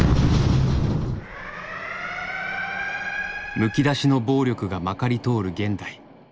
むき出しの暴力がまかり通る現代。